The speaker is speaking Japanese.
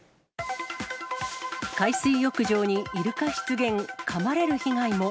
海水浴場にイルカ出現、かまれる被害も。